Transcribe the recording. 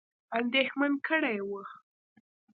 اندېښمن کړي وه.